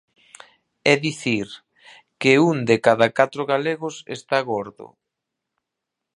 É dicir, que un de cada catro galegos está gordo.